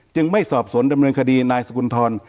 ไม่สอบสวนดำเนินคดีนายสกุลทร